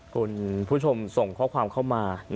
คุณผู้ชมส่งข้อความเข้ามา